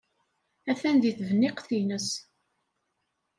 Atan deg tebniqt-nnes.